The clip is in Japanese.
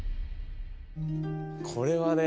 これはね。